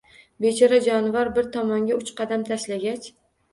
Bechora jonivor bir tomonga uch qadam tashlagach